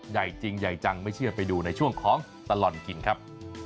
ใหญ่จริงใหญ่จังไม่เชื่อไปดูในช่วงของตลอดกินครับ